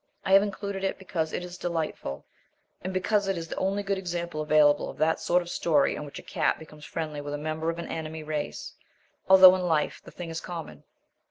I have included it because it is delightful and because it is the only good example available of that sort of story in which a cat becomes friendly with a member of an enemy race, although in life the thing is common.